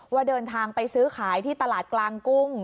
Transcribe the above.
เดินทางไปซื้อขายที่ตลาดกลางกุ้ง